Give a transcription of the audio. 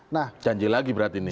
nah janji lagi berarti ini